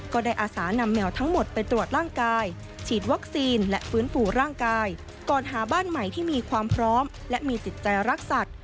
อาสานำแมวทั้งหมดไปตรวจร่างกายฉีดวัคซีนและฟื้นฟูร่างกายก่อนหาบ้านใหม่ที่มีความพร้อมและมีจิตใจรักสัตว์